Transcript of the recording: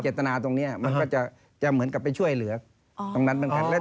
ตนาตรงนี้มันก็จะเหมือนกับไปช่วยเหลือตรงนั้นเหมือนกัน